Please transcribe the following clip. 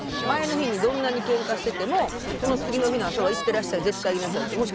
前の日にどんなにけんかしててもその次の日の朝は行ってらっしゃいを絶対言いなさいって。